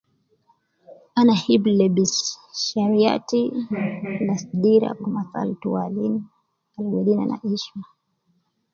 Ana hibu lebis shariati, me nas dira ,gumasa al tuwalin, gi wedi nana ishma